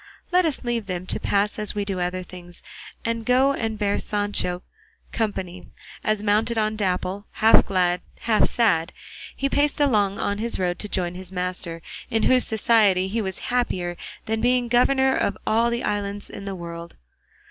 Let us leave them to pass as we do other things, and go and bear Sancho company, as mounted on Dapple, half glad, half sad, he paced along on his road to join his master, in whose society he was happier than in being governor of all the islands in the world.